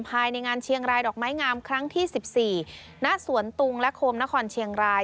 ภายในงานเชียงรายดอกไม้งามครั้งที่๑๔ณสวนตุงและโคมนครเชียงราย